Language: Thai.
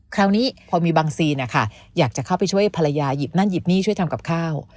คราวนี้พอมีบางซีนอยากจะเข้าไปช่วยภรรยาหยิบนั่นหยิบนี่ช่วยทำกับข้าว